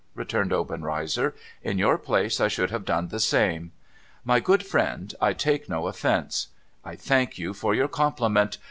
' returned Obenreizer. ' In your place I should have done the same. My good friend, I take no offence. I thank you for your compliment.